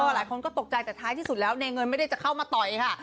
หลายคนก็ตกใจแต่ท้ายที่สุดแล้วในเงินไม่ได้จะเข้ามาต่อยค่ะ